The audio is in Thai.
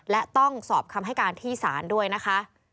และต้องสอบคำให้การที่ศาลด้วยนะคะ